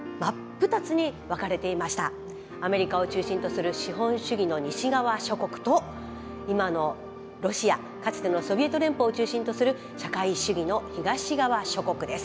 アメリカを中心とする資本主義の西側諸国と今のロシアかつてのソビエト連邦を中心とする社会主義の東側諸国です。